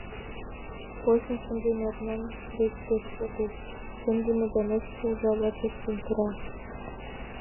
Почын шындыме окна гыч пеш кугу, сындыме да ночко ужава тӧрштен пура.